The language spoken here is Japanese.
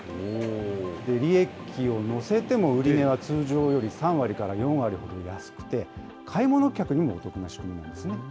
利益を乗せても売値は通常より３割から４割ほど安くて、買い物客にもお得な仕組みなんですね。